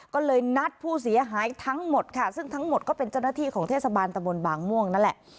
ก็เลยนัดผู้เสียหายทั้งหมดค่ะซึ่งทั้งหมดก็เป็นเจ้าหน้าที่ของเทศบาลตะบนบางม่วงนั่นแหละ